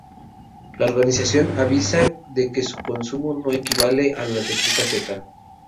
La organización avisa de que su consumo no equivale al de fruta fresca.